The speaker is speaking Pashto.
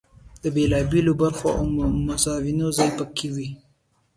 د بېلا بېلو برخو او مضامینو ځای په کې وي.